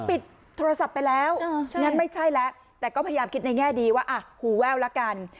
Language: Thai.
ปิดโทรศัพท์ไปแล้วงั้นไม่ใช่แล้วแต่ก็พยายามคิดในแง่ดีว่าอ่ะหูแว่วละกัน